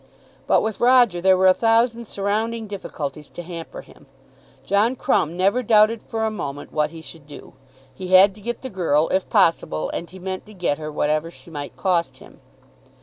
But with Roger there were a thousand surrounding difficulties to hamper him. John Crumb never doubted for a moment what he should do. He had to get the girl, if possible, and he meant to get her whatever she might cost him.